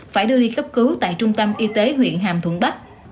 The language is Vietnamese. phải đưa đi cấp cứu tại trung tâm y tế huyện hàm thuận bắc